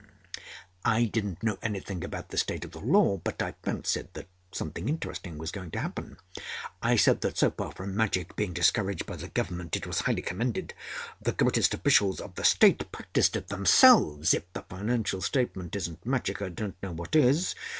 I didn't know anything about the state of the law; but I fancied that something interesting was going to happen. I said that so far from magic being discouraged by the Government it was highly commended. The greatest officials of the State practiced it themselves. (If the Financial Statement isn't magic, I don't know what is.)